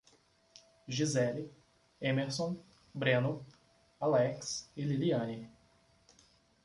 Gisele, Emerson, Breno, Alex e Liliane